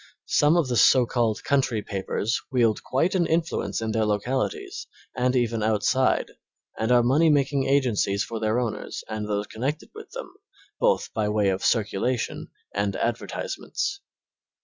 Some of the so called country papers wield quite an influence in their localities, and even outside, and are money making agencies for their owners and those connected with them, both by way of circulation and advertisements.